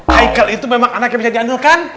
haikal itu memang anak yang bisa dianjurkan